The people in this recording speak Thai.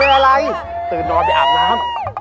อ๋อเป็นอะไรตื่นนอนไปอาบน้ำ